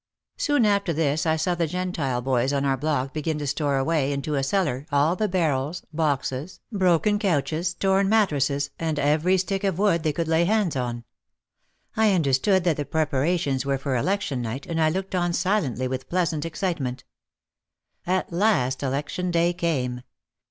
Soon after this I saw the Gentile boys on our block begin to store away, into a cellar, all the barrels, boxes, broken couches, torn mattresses, and every stick of wood they could lay hands on. I understood that the prepara tions were for election night and I looked on silently with pleasant excitement. At last election day came.